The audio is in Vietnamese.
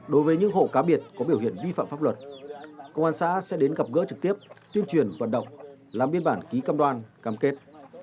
đối với những hộ cá biệt có biểu hiện vi phạm pháp luật công an xã sẽ đến gặp gỡ trực tiếp tuyên truyền vận động làm biên bản ký cam đoan cam kết